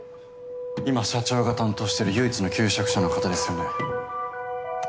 今社長が担当してる唯一の求職者の方ですよね。